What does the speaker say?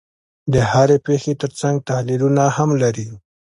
د هرې پېښې ترڅنګ تحلیلونه هم لري.